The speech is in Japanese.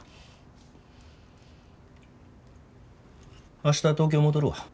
明日東京戻るわ。